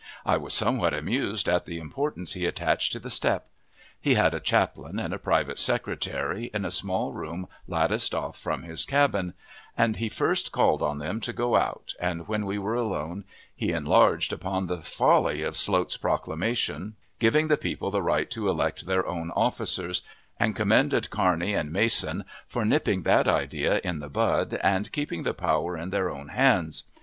I was somewhat amused at the importance he attached to the step. He had a chaplain, and a private secretary, in a small room latticed off from his cabin, and he first called on them to go out, and, when we were alone, he enlarged on the folly of Sloat's proclamation, giving the people the right to elect their own officers, and commended Kearney and Mason for nipping that idea in the bud, and keeping the power in their own hands.